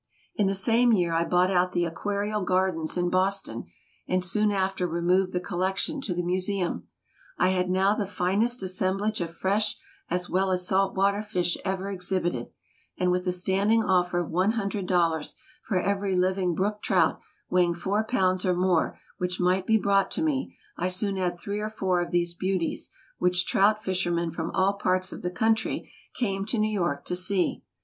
In the same year, I bought out the Aquarial Gardens in Boston, and soon after removed the collection to the Museum. I had now the finest assemblage of fresh as well as salt water fish ever exhibited, and with a standing offer of one hundred dollars for every living brook trout, weighing four pounds or more, which might be brought to me, I soon had three or four of these beauties, which trout fishermen from all parts of the country came to New York to see.